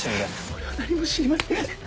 俺は何も知りません。